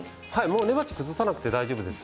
根鉢は崩さなくて大丈夫です。